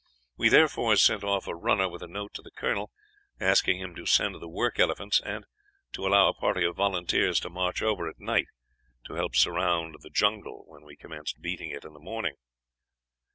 We therefore sent off a runner with a note to the colonel, asking him to send the work elephants, and to allow a party of volunteers to march over at night, to help surround the jungle when we commenced beating it in the morning.